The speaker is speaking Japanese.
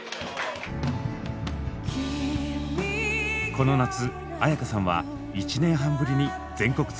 この夏絢香さんは１年半ぶりに全国ツアーを開催。